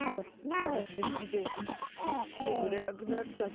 たのしみすぎてねむれなくなっちゃった。